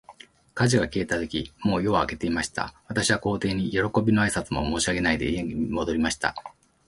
火事が消えたとき、もう夜は明けていました。私は皇帝に、よろこびの挨拶も申し上げないで、家に戻りました。